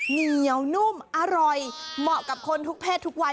เหนียวนุ่มอร่อยเหมาะกับคนทุกเพศทุกวัย